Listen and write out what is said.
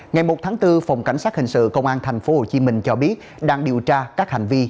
ngày một tháng bốn phòng cảnh sát hình sự công an tp hcm cho biết đang điều tra các hành vi